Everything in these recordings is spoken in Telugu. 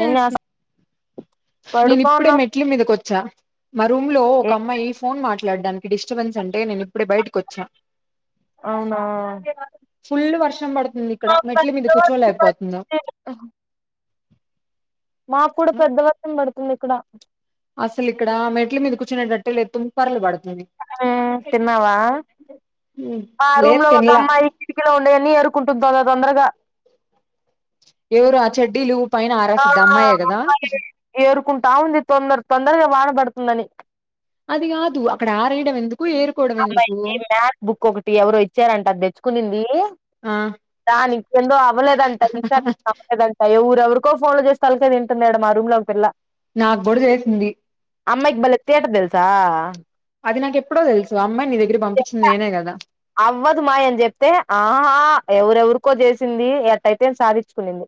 ఏం చేస్ నేను పడుకోన్న ఇప్పుడే మెట్లు మేదకి వచ్చా మా రూమ్‌లో ఒక ఏ అమ్మాయి ఫోన్ మాట్లాడడానికి డిస్టర్బెన్స్ అంటే నేను ఇప్పుడే బయటికొచ్చా అవునా ఫుల్ వర్షం పడుతుంది ఇక్కడ మెట్ల మీద కూర్చోలేకపోతున్నా మాక్కూడా పెద్దవర్షం పడుతుంది ఇక్కడ అసలు ఇక్కడ మెట్ల మీద కూర్చునేటట్టేలే తుంపర్లు పడుతుంది ఆ తిన్నావా మా లేదు రూమ్‌లో ఒక తినలా అమ్మాయి కిటికీలో ఉండేయన్నీ ఎరుకుంటు తొ తొ తొందరగా ఎవరు ఆ చెడ్డీలు పైన ఆరేశుద్ధి ఆ అమ్మాయే కదా ఏరుకుంటా ఉంది తొందర తొందరగా వానపడుతుందని అది కాదు అక్కడ ఆరేయడం ఎందుకు ఏరు అమ్మాయికి మ్యాథ్ బుక్ ఒకటి ఎవరో ఇచ్చారంట అది తెచ్చుకునింది ఆ దానికేందో అవ్వలేదంట ఈసారి [unintelligible] ఎవ్వర్ ఎవరికో ఫోన్‌లు చేసి తలకాయ తింటుంది ఈడ మా రూమ్‌లో ఒక పిల్ల నాక్కూడా చేసింది అమ్మాయికి బలే తిటా తెలుసా అది నాకెప్పుడో తెలుసు ఆ అమ్మాయి నీ దగ్గరకి పంపిచింది నేనే కదా అవ్వదు మాయ అని చెప్తే ఆహా ఎవరెవరికో చేసింది ఎట్టయితే ఎం సాధిచుకునింది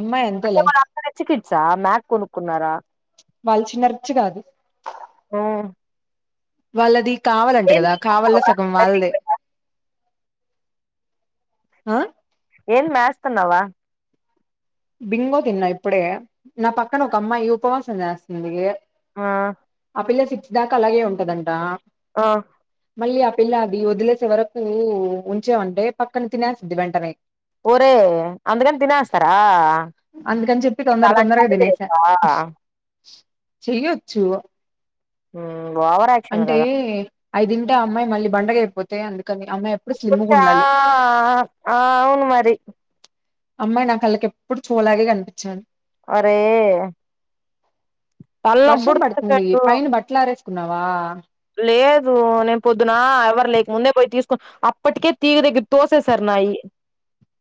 అమ్మాయి అంటే అంతేలే వాళ్లంతా రిచ్ కిడ్సా మ్యాక్ కొనుక్కున్నారా వాళ్ళు చిన్న రిచ్ కాదు ఉమ్మ్ వాళ్ళది కావాలి అంట కదా కావలిలో తినేస్తున్నావా సగం బయటికి వాళ్ళదే పోయి ఆ ఏంది మ్యేస్తున్నావు బింగో తిన్నా ఇప్పుడే నా పక్కన ఒక అమ్మాయి ఉపవాసం చేస్తుంది ఆ ఆ పిల్ల సిక్స్ దాకా అలాగే ఉంటదంట ఆ మళ్ళీ ఆ పిల్ల అది వదిలేసే వరకు ఉంచావంటే పక్కన తినేస్తాది వెంటనే ఓరే అందుకని తినేస్తారా అందుకని చెప్పి నీకు తొందర అలాంటి తొందరగా పనులు తినేశా చేయొచ్చా చెయ్యొచ్చు ఉమ్మ్ ఓవర్ యా అంటే అయి తింటే ఆ అమ్మాయి మళ్ళీ బండగ అయిపోతే అందుకని అమ్మాయి ఎప్పుడు ఒక స్లిమ్గా నిమిషా ఉండాలి ఆ అవును మరి అమ్మాయి నా కళ్ళకి ఎప్పుడు చూలాగే కనిపిచ్చాలి ఒరే తలనొప్పి వర్షం పుడుతుంది పడుతుంది నాకు పైన బట్టలారేసి కున్నావా లేదు నేను పొద్దున ఎవరు లేక ముందే పోయి తీసుకు అప్పటికే తీగ దగ్గర తోసేశారు నాయి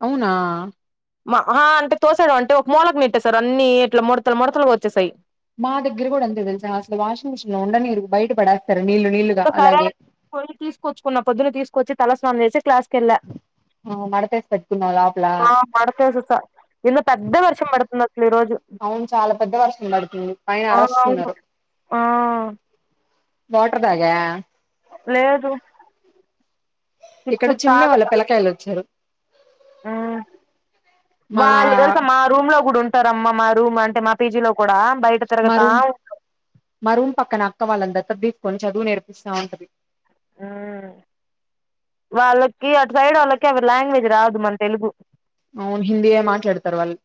అవునా మా ఆహ అంటే తోసేయడం అంటే ఒక మూలకి నేట్టేసారు అన్ని ఇట్లా మొడతలు మొడతలుగా వచ్చేసాయి మా దగ్గర కూడా అంతే తెలుసా అసలు వాషింగ్ మిషిన్లో ఉండనీయరు బయట పడేస్తారు నీళ్లు నీళ్లుగా ఒకసారి అలాగే పోయి తీసుకొచ్చుకున్న పొద్దున్న తీసుకొచ్చి తలస్నానం చేసి క్లాసుకెళ్లా ఆ మడతేసి పెట్టుకున్నావా లోపల ఆ మడతేసేసా ఇళ్ళ పెద్ద వర్షం పడుతుంది అసలు ఈరోజు అవును చాలా పెద్ద వర్షం పడుతుంది పైన ఆ అవును అరస్తున్నారు ఆ వాటర్ తాగ లేదు సిక్స్ ఇక్కడ చిన్నే వాళ్ళ తాకతా పిల కాయలొచ్చారు మ్మ్ మా వాళ్ళు తెల్సా మా రూమ్ లో కూడా ఉంటారమ్మా మా రూమ్ అంటే మా పీజీ లో కూడా బయట తిరగతా మరూం మరూం పక్కన అక్క వాళ్ళందత్త తీస్ కొని చదువు నేర్పిస్తా ఉంటది ఊ వాళ్ళకి అటు సైడ్ వాళ్ళకి అవి లాంగ్వేజ్ రాదు మన్ తెలుగు అవును హిందీయే మాట్లాడతారు వాళ్ళు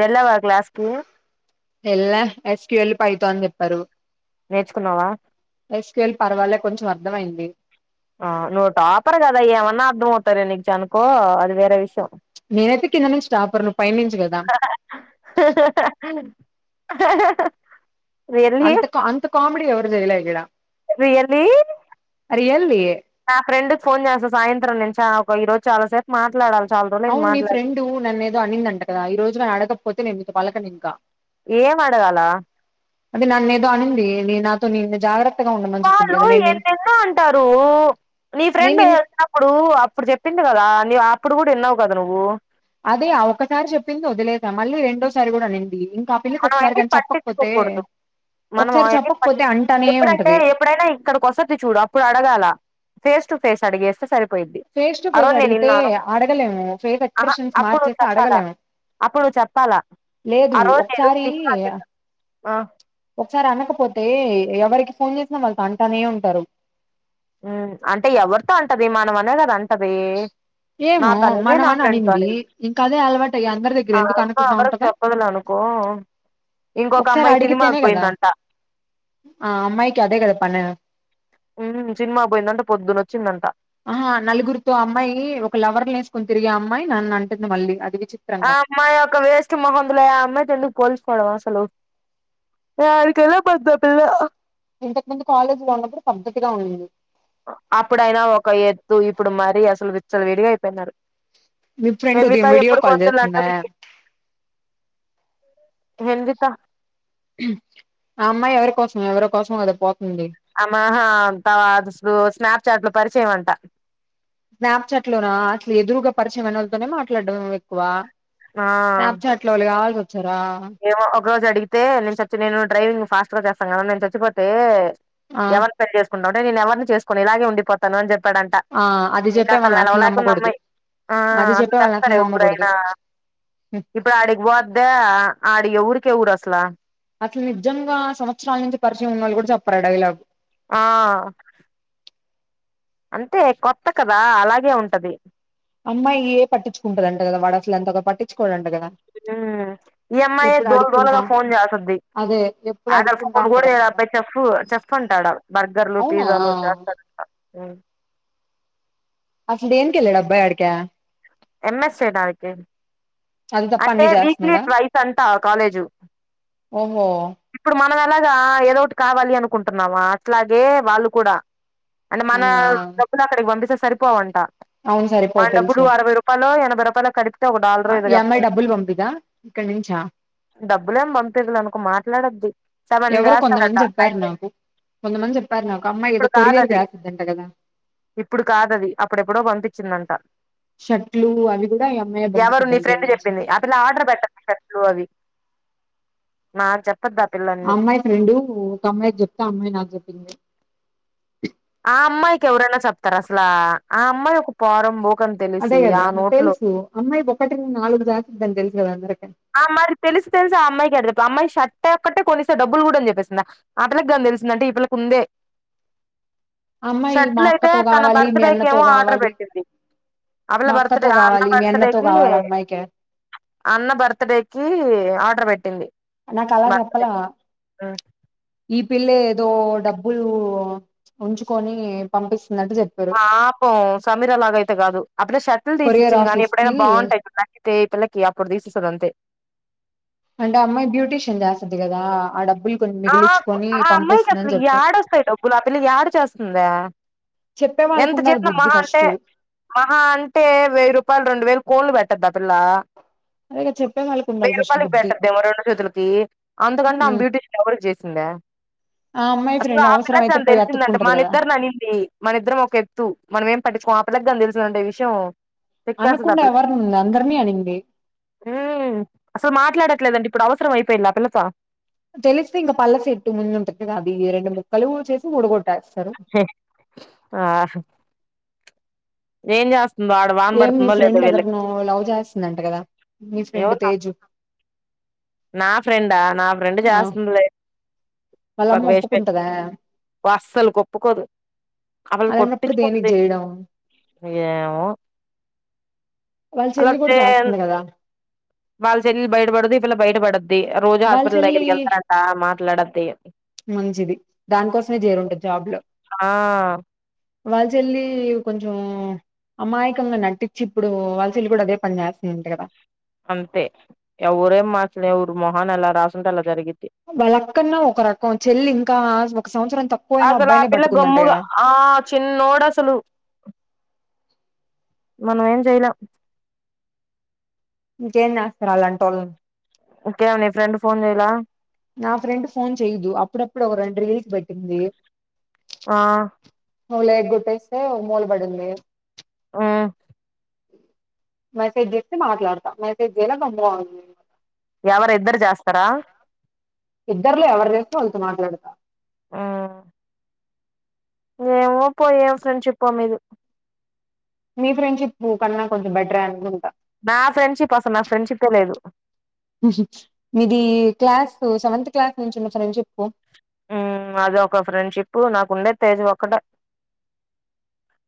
వెళ్ళవా క్లాస్కి ఎల్లా ఎస్క్యూఎల్ పైతాన్ చెప్పారు నేర్చుకున్నావా ఎస్కేఎల్ పర్వాలే కొంచెం అర్థమైంది ఆ నువ్ టాపర్ కదా ఏమన్నా అర్థంమవుతారు నీకుజనుకో అది వేరే విషయం నేనైతే కింద నుంచి టాపర్ నువ్ పై నుంచి కదా [inaudible] రియల్లీ అంత క అంత కామెడీ ఎవరూ చేయలేదీడ రియల్లీ రియల్లీ నా ఫ్రెండుక్ ఫోన్ చేస్తా సాయంత్రం నేన్ చ ఒక ఈరోజు చాలా సేపు మాట్లాడాలి చాలా రోజులైంది అవును నీ మాట్లాడి ఫ్రెండు నన్నేదో అన్నిందంట కదా ఈ రోజు గానడగకపోతే నేన్ మీతో పలకనింకా ఏమడగాల అది నన్నేదో అనింది నీ నాతో నిన్ జాగ్రత్ ఉండమని చెప్పింది వాళ్ళు కదా నేను ఎన్నెన్నో అంటారు నీ నేను ఫ్రెండు నిన్ ఉప్పుడు అప్పుడు చెప్పింది కదా నీవు అప్పుడు కూడా విన్నావు కదా నువ్వు అదీ ఆ ఒకసారి చెప్పింది వదిలేసా మళ్ళీ రెండోసారి కూడా అనింది ఇంకా పిల్లకి మనం ఒకసారి ఏంది కాని చెప్పకపోతే పట్టించుకోకూడదు మనం ఒకసారి ఆయన్ని పట్టిం చెప్పకపోతే అంటానే ఎప్పుడంటే ఉంటది ఎప్పుడైనా ఇక్కడి కోస్తద్ది చూడు ఇప్పుడు అడగాల ఫేస్ టు ఫేస్ అడిగేస్తే సరి పోయిధి ఫేస్ టు ఫేస్ అరోజ్ నేన్ అడిగితే ఇన్నాను అడగలేము ఫేస్ ఆ ఆ ఎక్స్ప్రెషన్స్ అప్పుడు నువ్వు మార్చేసి చెప్పాలా అడగలేము అప్పుడు చెప్పాలా లేదు ఆ రోజు నేను ఒకసారి [inaudible] ఒకసారనకపోతే ఎవరికి ఫోన్ చేసినా వాళ్ళతో అంటానే ఉంటారు హు అంటే ఎవర్ తో అంటది మనం అనే కదా అంటది ఏమో నాతో అనింది మనం నా అని ఫ్రెండ్ తో అనింది ఇంకా అదే అలవాటయ్యి అందరి దగ్గర ఎందుకు అనకుండాఉంటది పగలనుకో ఇంకొక ఒకసారి అమ్మాయి అడిగితేనే సినిమాక్ కదా పోయిందంట ఆ అమ్మాయికి అదే కద పను ఊ సినిమా పోయిందంట పొద్దున్నోచ్చిందంట ఆహా నలుగురితో అమ్మాయి ఒక లవర్ల వేసుకొని తిరిగే అమ్మాయి నన్నటుంది మళ్ళీ అది విచి ఆ అమ్మాయొక వేస్ట్ మొహందులే ఆ అమ్మాయితో ఎందుకు పోల్చుకోవడం అసలు దానికన్నా పెద్ద పిల్ల ఇంతకు మంది కాలేజీ లో ఉన్నప్పుడు పద్దతిగా ఉండింది అప్పుడైనా ఒక ఎద్దు ఇప్పుడు మరీ అసలు విచ్చలు విడిగా అయిపోయినారు మీ ఫ్రెండ్ ఉదయం మలితా వీడియో ఎప్పుడు కాల్ కొత్త చేస్తుందా లంటన్డి నిందిత ఆ అమ్మాయ్ ఎవరి కోసం ఎవరో కోసం కదా పోతుంది అమ్మహా అంతవ అ స్నాప్చాట్లో పరిచయం అంటా స్నాప్చాట్ లోన అసల్ ఎదురుగా పరిచయం ఐనోల్తోనే మాట్లాడ్డం ఎక్కువ ఆ స్నాప్చాట్ ట్లో వాళ్ ఆవాల్స్ ఒచ్చారా ఏమో ఒక రోజు అడిగితే నేను చచ్చి నేను డ్రైవింగ్ ఫాస్ట్ గ జేస్తన్ గదా నేను చచ్చిపోతే ఆ ఎవర్ [unintelligible] చేసుకుంటవంటే నేన్ ఎవర్ని చేసుకోన్ ఇలాగే ఉండిపో తను అని జెప్పాడంట ఆ అది ఇంక చెప్పే అసలు వాళ్ళని నిలవలేకుంది నమ్మకూడదు అమ్మాయ్ ఆ అది అంత చెప్పే వాళ్ళని తెస్తారా అసలు నమ్మకూడదు ఎవురైనా ఇప్పుడు ఆడిక్ బోద్దా ఆడిగ్ ఎవురికి ఎవురు అసలా అసల్ నిజంగా సంవత్సరాల నుంచి పరిచయం ఉన్నళ్ గూడ చెప్పరు ఆ డైలాగ్ ఆ అంతే కొత్త కదా అలాగే ఉంటది అమ్మాయే పట్టించుకుంటదంట గద వాడు అసలు అంతగ పట్టిచ్చుకోడంట గదా ఊ ఈ అమ్మాయే ధూల్ ధూలగ ఫోన్ జేసుద్ది అదే ఎప్పుడు ఆడ అడుక్కుంటా ఫోన్ గూడ ఏ ఉంటదంట కదా పె చెఫ్ చెఫ్ అంటాడు ఆడు బర్గర్లు అవునా పిజ్జూలు [unintelligible] ఉ అసల్ దేనిక్ ఎళ్ళాడు అబ్బాయ్ ఆడికా ఎం ఎస్ చేడానికి అది తప్ప అంటే అన్ని వీక్లీ చేస్తున్నాడా ట్వైస్ అంటా ఆ కాలేజు ఓహో ఇప్పుడు మనం ఎలాగా ఏదో ఒటి కావాలి అనుకుంటున్నామా అట్లాగే వాళ్ళు కూడా అంటే మన అవునా డబ్బులు అక్కడికి వంపిస్తే సరిపోవంట అవును సరిపో మన డబ్బులు తెలుసు అరవై రూపాలో ఎనభై రూపాయ్లో కదిపితే ఒక డాలరో ఏదో జ అమ్మాయ్ డబ్బుల్ వంపిదా ఇక్కడ్నుంచా డబ్బులేం బంపిద్లె అనుకో మాట్లాడద్ది సెవెన్ ఎవరో చేస్తారట కొంతమంది చెప్పారు అయితే నాకు కొంతమంది చెప్పారు నాకు అమ్మాయి ఇప్పుడు ఏదో కొరియర్ కాదది జాసుద్దంట గదా ఇప్పుడు కాదది అప్పుడెప్పుడో వంపిచ్చిందంట షర్ట్లూ అవి గూడా ఈ అమ్మాయె ఎవరు నీ బంపిసుద్దంట ఫ్రెండ్ ఈడ్నుంచి చెప్పింది ఆ పిల్ల ఆర్డర్ బెట్ట [inaudible] షర్ట్లు అవి నాక్ చెప్పుద్ది ఆ పిల్ల అన్ని రెండూ ఒక అమ్మాయ్ జెప్తే ఆ అమ్మాయ్ నాక్ జెప్పింది ఆ అమ్మాయికి ఎవరైనా చెప్తార అసలా ఆ అమ్మాయ్ ఒక పోరం బోక్ అని తెలిసి ఆ నోట్లో అమ్మాయ్ ఒకటిని నాలుగు జాగిద్దని దెలుసు గద అందరికి ఆ మరి తెలిస్ తెల్సి ఆ అమ్మాయికి అడుగొద్దు ఆ అమ్మాయి షట్టే ఒక్కట్టే కొన్నిససే డబ్బులు గూడ అన్ జెప్పేసిందా ఆటలక్ గాన్ దెలిసిందంటే ఈ పిల్లక్ ఉందే ఆ అమ్మాయి మా షర్ట్లు అయితే అక్కతో తన కావాలి బర్త్ మీ డేకి అన్నతో ఏమో ఆర్డర్ కావాలి బెట్టింది అ పిల్ల మా బర్త్డే అక్కతో ఆ అన్న కావాలి మీ అన్నతో బర్త్డేకీ కావాలి అమ్మాయికే అన్న బర్త్ డే కీ ఆర్డర్ బెట్టింది నాక్ అలా జెప్పలా ఈ పిల్ల ఏదో డబ్బులూ ఉంచుకోని పంపిస్తున్నట్టు చెప్ పాపం సమీర లాగైతే గాదు ఆ పిల్ల షర్ట్లు కొరియర్ దీసిచ్చింది గానీ ఆఫీస్ ఎప్పుడైనా కి బా ఉంటయ్ [inaudible] ఏతులకి అప్పుడు దీసిస్తద్ అంతే అంటే అమ్మాయి బ్యూటీషియన్ జేసుద్ది గదా ఆ డబ్బుల్ ఆక్ ఆ అమ్మాయికి అసలు యాడొస్తయ్ డబ్బులు ఆ పిల్ల యాడ చేస్తుందే చెప్పే వాళ్ళకు ఎంత ఉండాలి చేస్న బుద్ధి మహా అంటే ఫస్ట్ మహా అంటే వెయ్ రూపాయల్ రెండు వేల్ కోళ్లు వెట్టద్దా పిల్ల అదేగా చెప్పే వాళ్ళకు ఉండాలి వెయ్యి ఫస్ట్ రూపాయలకి బుద్ధి పెట్టందేమో రెండు చేతులకి అంతకంటే ఆ ఉమ్, బ్యూటీషన్ ఎవరి జేసిందా ఆ అమ్మాయి అసలు ఫ్రెండ్ ఆ అవసరం అయితే పిల్లగ్గాన్ పోయి దెలిసిందంటే అతుక్కుంటది కదా మనిద్దరు ననింది మన ఇద్దరం ఒక ఎత్తు మనం ఏం పట్టిచ్చుకోం ఆ పిల్లగ్గాన్ దెలిసిందంటే ఈ విషయం తిక్కేస్తది ఆ అనకుండా ఎవరిని ఉంది అందరినీ అనింది మ్ అసలు మాట్లాడట్లేదండి ఇప్పుడు అవసరం అయిపోయింది ఆ పిల్లతో తెలిస్తే ఇంకా పళ్ళసెట్టు ముందుట అది రెండు ముక్కలు చేసి ఉడగొట్టేస్తారు. ఆ ఏం చేస్తాన్నారు? ఏం మీ ఫ్రెండ్ ఎవరినో లవ్ చేస్తుందంట కదా? మీ ఫ్రెండ్ ఎవరు నా తేజు నా ఫ్రెండా? నా ఫ్రెండ్ ఆ చేస్తుందిలే. ఒక వాళ్ళమ్మ వేస్ట్ ఒప్పుకుంటదా ఫెలో అస్సలు ఒప్పుకోదు. అసలు అలాంటప్పుడు కొట్టించు దేనికి కుంటాది. చేయడం ఏమో. వాళ్ళ చెల్లి కూడా అలాతే చేస్తుంది కదా? వాళ్ళ చెల్లలు బయటపడదు. ఈపిల్ల బయటపడుద్ది. రోజు వాళ్ళ హాస్పిటల్ చెల్లి దగ్గరికి వెళ్తారంట మాట్లాడిద్ది. మంచిది దానికోసమే చేరుంటుది జాబ్ లో. ఆ వాళ్ళ చెల్లి కొంచం. అమాయకంగా నటించి ఇప్పుడు, వాళ్ల. చెల్లి కూడా అదే పని చేస్తుందట కదా? అంతే ఎవ్వరేం మార్చలేరు. ఎవరి మొహాన ఎలా రాసుంటే అలా జరిగిద్ది. వాళ్ళక్కన్నా ఒక రకం చెల్లి ఇంకా ఒక సంవత్సరం తక్కువయినా అసలు ఆ అబ్బాయినే పిల్ల పట్టుకుందంట గమ్ముగా కదా? ఆ చిన్నోడు అసలు మనం ఏం చెయలేం. ఇంకేం చేస్తారు అలాంటోళ్లని. ఇంకేం నీ ఫ్రెండ్ ఫోన్ చేయ్యాలా? నా ఫ్రెండ్ ఫోన్ చెయ్యదు. అప్పుడప్పుడు ఒక రెండు రీల్స్ పెట్టిద్ది. ఆ ను లే లెగ్ కొట్టేస్తే మూలబడింది. మ్ మెసేజ్ చేస్తే మాట్లాడతా. మెసేజ్ చేయేలా గమ్మునుంది. ఎవరు ఇద్దరు చేస్తారా? ఇద్దరులో ఎవరు చేస్త వాళ్ళతో మాట్లాడతా. మ్ ఏమో పో ఏమి ఫ్రెండ్షిపో మీది. మీ ఫ్రెండ్షిప్ కన్నా కొంచెం బెటరే అనుకుంటా. నా ఫ్రెండ్షిప్ అసలు నా ఫ్రెండ్షిపే లేదు. మీది క్లాస్ సెవెంత్ క్లాస్ నుంచి ఉన్న ఫ్రెండ్షిప్. అది ఒక ఫ్రెండ్షిప్. నాకు ఉండే తేజ్ ఒక్కడే.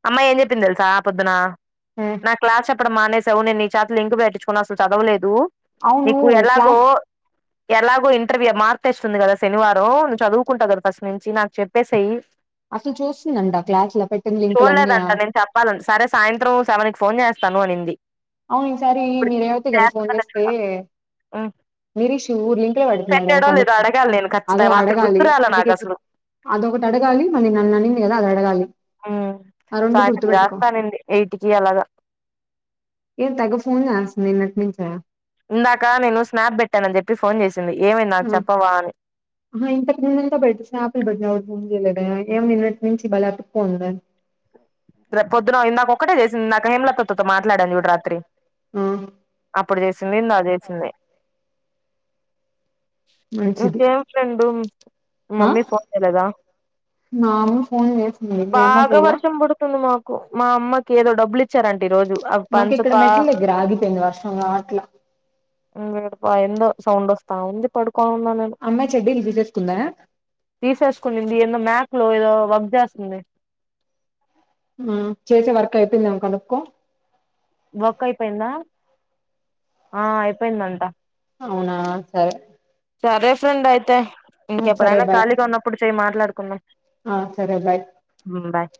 అమ్మాయి ఏం చెప్పింది తెలుసా పొద్దున. మ్ నా క్లాస్ చెప్పడం మానేసావు. నేను నీ చేత లింక్ పెట్టించుకున్నా అసలు చదవలేదు. అవును నీకు ఎలాగో క్లాస్ ఎలాగో ఇంటర్వ్యూ మార్క్స్ ఏస్తుంది కదా శనివారం నువ్వు చదువు కుంటావు కదా ఫస్ట్ నుంచి నాకు చెప్పేసెయ్. అసలు చూస్తుందడా క్లాస్ లో పెట్టిన లింకులన్నీ. ఇవ్వాల సరే సాయంత్రం సెవన్ కి ఫోన్ చేస్తాను అనింది. అవును ఈసారి ఇప్పుడు మీ రేవతి కదా ఫోన్ చేస్తదో లేదో చేసింది. హ్మ్ నీరీష్ లింకులో పడుతున్నాడేమో పెట్టాడో లేదో కనుక్కో. అడగాలి నేను అదే ఖచ్చితంగా రాత్రి అడగాలి గుర్తురాలే నాకు అందుకే అసలు. అదొ ఒకటి అడగాలి. మరి నన్ను అనింది కదా అది అడగాలి. ఆ రెండు సాయంత్రం గుర్తుపెట్టుకో చేస్తానండి ఎయిట్కిి అలాగా. ఏ తగ ఫోన్ చేస్తుంది నిన్నటి నుంచి. ఇందాక నేను స్నాప్ పెట్టాను అని చెప్పి ఫోన్ చేసింది. ఏమైంది నాకు చెప్పవా అని ఇంతకు ముందుంత పెట్టి సా ఆయాపిల్ పెట్టి అ ములేదా ఏమ నిన్నటి నుంచి బలా అక్కు ఉందా రేపొద్దున ఇందాక ఒక్కటే చేసింన నాకె హేమల మీతో మాట్లాడాను చూడు రాత్రి ఆ, అప్పుడు చేసింది ఇందాక చేసింది మంచిది నీకేం ఫ్రెండు ఆ మమ్మీ ఫోన్లదా మా అమ్మ ఫోన్ చేసింది మీ అమ్మ చేయలా బగావర్ష పడుతుంది మాకు మా అమ్మకి ఏదో డబ్బలు ఇచ్చారంటడి ఈ రోజు అ మాకు ఇక్కడ పంచపా మెట్ల దగ్గర ఆగిపోయింది వర్షం అట్లా హ్మ్ [unintelligible] ఎందో సౌండ్ అస్తా ఉంది పడుకొని ఉన్నాను నేను అమ్మాయి చెడ్డీలు ఇప్పేస్తున్న తీసేసుకునింది ఏదో మ్యాక్ లో ఏదో వర్క్ చేస్తుంది ఆ చేసే వర్క్ అయిపోయిందేమో కనుక్కకో వర్క్ అయిపోయిందా ఆ అయిపోయిందంట అవునా సరే సరే ఫ్రెండ్ అయితే ఆ, సరే ఇంకెప్పుడైనా బాయ్ ఖాళీగా ఉన్నప్పుడు చేయి మాట్లాడుకుందం ఆ సరే బాయ్ హ్మ్ బాయ్